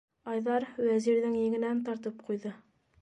- Айҙар Вәзирҙең еңенән тартып ҡуйҙы.